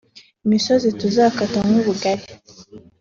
Imisozi tuzakata nk'ubugari